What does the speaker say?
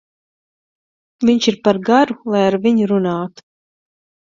Viņš ir par garu, lai ar viņu runātu.